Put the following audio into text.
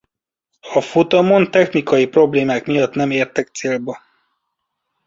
A futamon technikai problémák miatt nem értek célba.